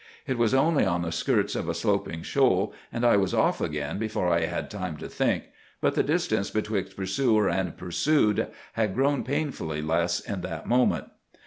It was only on the skirts of a sloping shoal, and I was off again before I had time to think; but the distance twixt pursuer and pursued had grown painfully less in that moment.